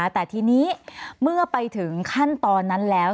แต่ทีนี้เมื่อไปถึงขั้นตอนนั้นแล้ว